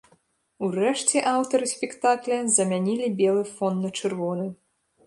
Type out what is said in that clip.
Урэшце аўтары спектакля замянілі белы фон на чырвоны.